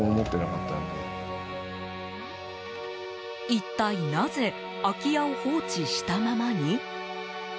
一体なぜ、空き家を放置したままに？